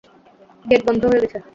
Gate বন্ধ হয়ে গেছে।